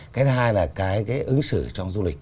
cái thứ hai là cái ứng xử trong du lịch